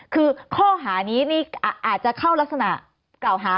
คือข้อหานี้นี่อาจจะเข้ารักษณะกล่าวหา